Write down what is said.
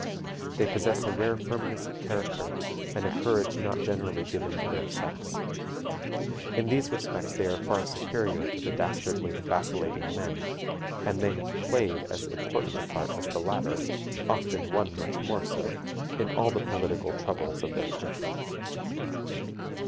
They possess a rare firmness of character, and a courage not generally given to their sex. In these respects they are far superior to the dastardly, vacillating men, and they have played as important a part as the latter (often one much more so) in all the political troubles of their country.